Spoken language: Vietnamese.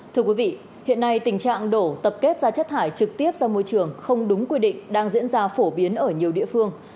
thưa quý vị hiện nay tình trạng đổ tập kết ra chất thải trực tiếp ra môi trường không đúng quy định đang diễn ra phổ biến ở nhiều địa phương